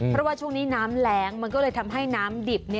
เพราะว่าช่วงนี้น้ำแรงมันก็เลยทำให้น้ำดิบ